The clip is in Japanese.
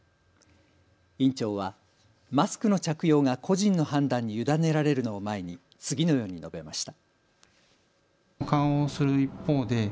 院長はマスクの着用が個人の判断に委ねられるのを前に次のように述べました。